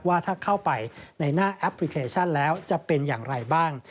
ว่าถ้าเข้าไปในหน้าแอปพลิเคชันแล้วจะเป็นอย่างไรบ้าง